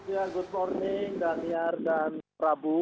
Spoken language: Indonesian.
ya good morning daniar dan prabu